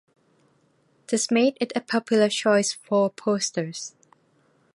This made it a popular choice for posters.